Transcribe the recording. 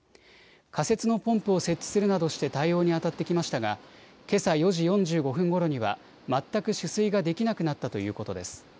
仮設のポンプを設置するなどして対応にあたってきましたがけさ４時４５分ごろには全く取水ができなくなったということです。